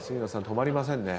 止まりませんね。